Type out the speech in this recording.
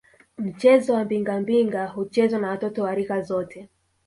Mchezo wa Mbingambinga huchezwa na watoto wa rika zote